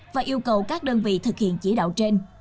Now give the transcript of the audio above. và yêu cầu các đơn vị thực hiện chỉ đạo trên